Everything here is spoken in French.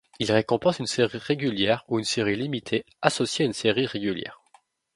Il récompense une série régulière ou une série limitée associée à une série régulière.